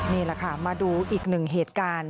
นี่แหละค่ะมาดูอีกหนึ่งเหตุการณ์